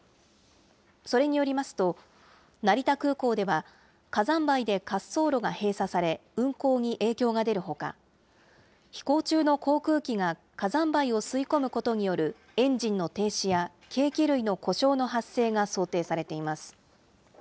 それによりますと、成田空港では火山灰で滑走路が閉鎖され、運航に影響が出るほか、飛行中の航空機が火山灰を吸い込むことによるエンジンの停止や計器類の故障の発生が想定されています。